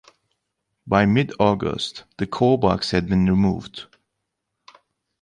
By mid-August, the core box had been removed.